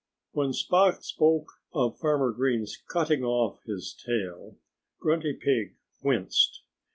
When Spot spoke of Farmer Green's cutting off his tail, Grunty Pig winced.